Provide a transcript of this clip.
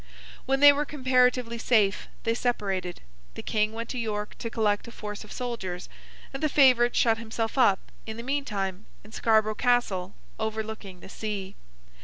When they were comparatively safe, they separated; the King went to York to collect a force of soldiers; and the favourite shut himself up, in the meantime, in Scarborough Castle overlooking the sea.